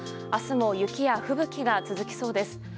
明日も雪や吹雪が続きそうです。